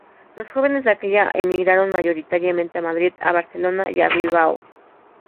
Los jóvenes de aquella emigraron mayoritariamente a Madrid, a Barcelona y a Bilbao.